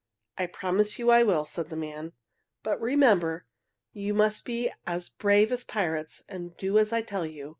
"I promise you I will," said the man. "But remember, you must be as brave as pirates and do as I tell you.